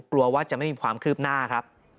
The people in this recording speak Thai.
กลัวว่าจะไม่มีความคืบหน้าครับ